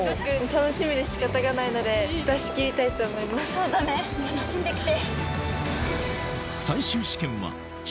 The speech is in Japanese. そうだね楽しんできて。